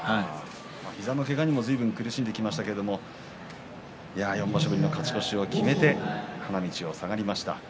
膝のけがにもずいぶん苦しんできましたが４場所ぶりの勝ち越しを決めて花道を下がりました。